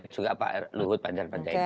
juga pak luhut banjar banjar